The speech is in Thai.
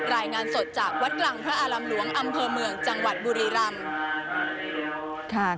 รายงานสดจากวัดกลางพระอารามหลวงอำเภอเมืองจังหวัดบุรีรำ